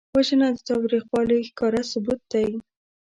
وژنه د تاوتریخوالي ښکاره ثبوت دی